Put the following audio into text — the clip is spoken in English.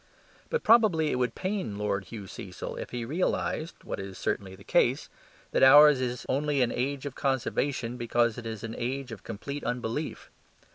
But probably it would pain Lord Hugh Cecil if he realized (what is certainly the case) that ours is only an age of conservation because it is an age of complete unbelief.